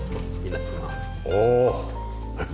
おお。